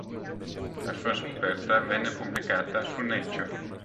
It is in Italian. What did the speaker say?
La sua scoperta venne pubblicata su "Nature".